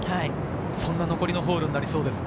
そんな残りのホールになりそうですね。